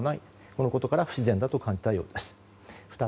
このことから不自然だと感じたようです。